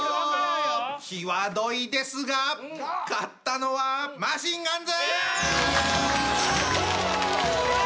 際どいですが勝ったのはマシンガンズ！